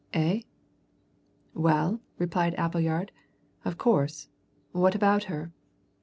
Eh?" "Well?" replied Appleyard. "Of course, what about her?"